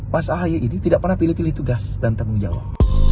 mas ahaye ini tidak pernah pilih pilih tugas dan tanggung jawab